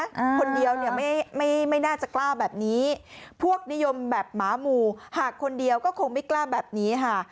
อ่าคนเดียวเนี่ยไม่ไม่น่าจะกล้าแบบนี้พวกนิยมแบบหมาหมู่หากคนเดียวก็คงไม่กล้าแบบนี้ค่ะ